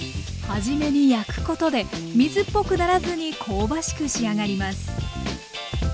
初めに焼くことで水っぽくならずに香ばしく仕上がります。